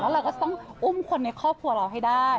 เราก็ต้องอุ้มคนในครอบครัวเราให้ได้